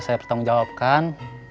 saya pertanggung jawabkan